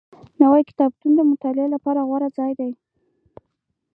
نوی کتابتون د مطالعې لپاره غوره ځای دی